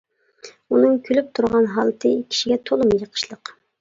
ئۇنىڭ كۈلۈپ تۇرغان ھالىتى كىشىگە تولىمۇ يېقىشلىق.